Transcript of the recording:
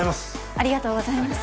ありがとうございます。